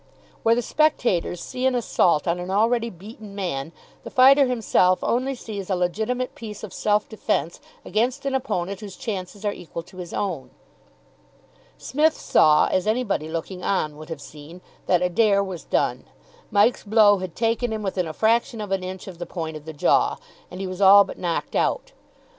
Where the spectators see an assault on an already beaten man, the fighter himself only sees a legitimate piece of self defence against an opponent whose chances are equal to his own. Psmith saw, as anybody looking on would have seen, that Adair was done. Mike's blow had taken him within a fraction of an inch of the point of the jaw, and he was all but knocked out.